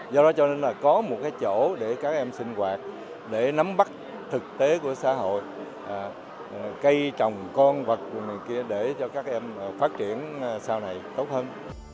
do đó cho nên là có một cái chỗ để các em sinh hoạt để nắm bắt thực tế của xã hội cây trồng con vật của mình kia để cho các em phát triển sau này tốt hơn